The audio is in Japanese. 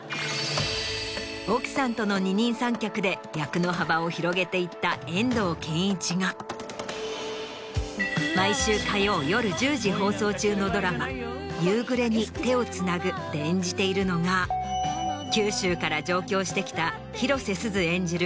奥さんとの二人三脚で役の幅を広げていった遠藤憲一が毎週火曜夜１０時放送中の。で演じているのが九州から上京してきた広瀬すず演じる